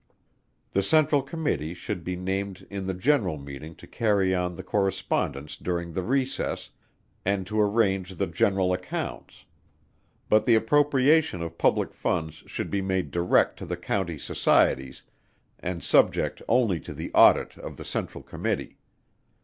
The Central Committee should be named in the general meeting to carry on the correspondence during the recess, and to arrange the general Accounts; but the appropriation of Public Funds should be made direct to the County Societies and subject only to the audit of the Central Committee.